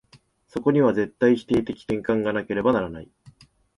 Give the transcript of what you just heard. そこには絶対否定的転換がなければならない。